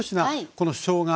このしょうが